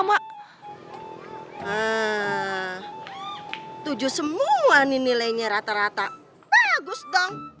hmm tujuh semua nih nilainya rata dua bagus dong